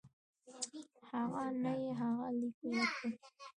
هغه ته یې هغه لیک ورکړ.